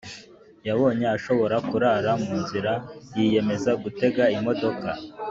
yabonye ashobora kurara mu nzira yiyemeza gutega imodoka.